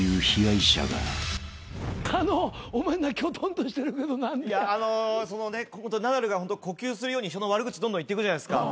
狩野お前きょとんとしてるけど何でや。ナダルが呼吸するように人の悪口どんどん言ってくじゃないですか。